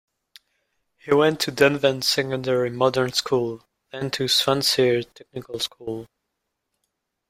He went to Dunvant Secondary Modern School, then to Swansea Technical School.